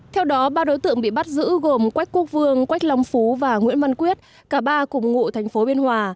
theo đó ba đối tượng bị bắt giữ gồm quách quốc vương quách long phú và nguyễn văn quyết cả ba cùng ngụ tp biên hòa